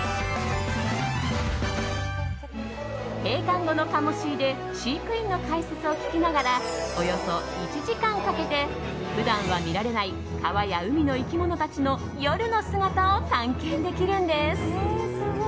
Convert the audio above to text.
閉館後の鴨シーで飼育員の解説を聞きながらおよそ１時間かけて普段は見られない川や海の生き物たちの夜の姿を探検できるんです。